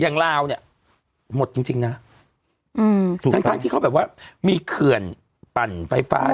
ลาวเนี่ยหมดจริงจริงนะอืมทั้งทั้งที่เขาแบบว่ามีเขื่อนปั่นไฟฟ้า